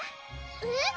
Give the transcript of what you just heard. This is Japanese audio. えっ？